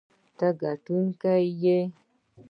ته ګټونکی یې.